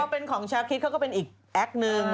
แต่พอที่ของชาวคิดก็เป็นอีกแอลหนึ่ง